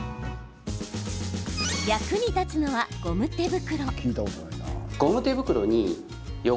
役に立つのは、ゴム手袋。